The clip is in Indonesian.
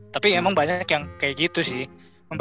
tapi emang banyak yang kayak gitu sih